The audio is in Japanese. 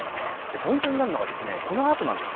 ポイントになるのがこのあとなんです。